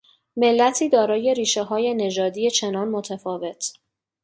ملتی دارای ریشههای نژادی چنان متفاوت